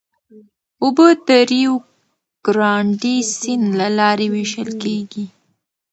اوبه د ریو ګرانډې سیند له لارې وېشل کېږي.